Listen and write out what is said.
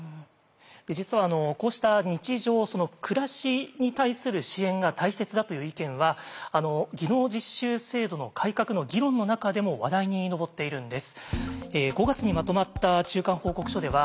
実はこうした日常暮らしに対する支援が大切だという意見は技能実習制度の改革の議論の中でも話題に上っているんです。